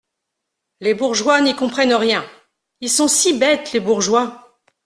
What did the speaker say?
… les bourgeois n'y comprennent rien … ils sont si bêtes, les bourgeois !